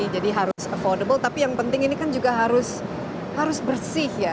jadi harus affordable tapi yang penting ini kan juga harus bersih ya